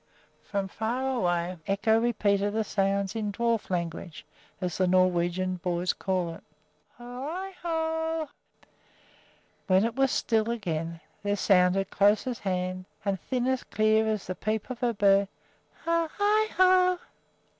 From far away echo repeated the sounds in "dwarf language," as the Norwegian boys call it. When all was still again, there sounded close at hand, as thin and clear as the peep of a bird, "Ho i ho!"